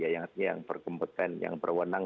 yang berkempetan yang berwenang